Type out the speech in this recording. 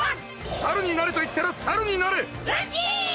猿になれと言ったら猿に宇髄）